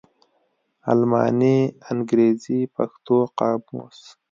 الماني _انګرېزي_ پښتو قاموس